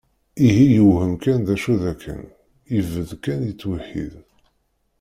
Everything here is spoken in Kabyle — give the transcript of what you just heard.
Ihi yewhem d acu d akken, ibedd kan yettweḥḥid.